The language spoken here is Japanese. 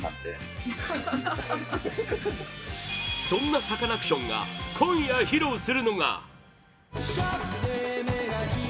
そんなサカナクションが今夜、披露するのが